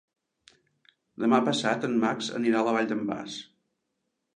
Demà passat en Max anirà a la Vall d'en Bas.